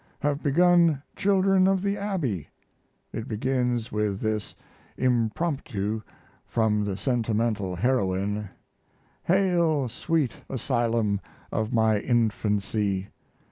Have begun Children of the Abbey. It begins with this "Impromptu" from the sentimental heroine: "Hail, sweet asylum of my infancy!